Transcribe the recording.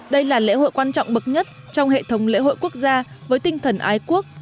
đây là lễ hội quan trọng bậc nhất trong hệ thống lễ hội quốc gia với tinh thần ái quốc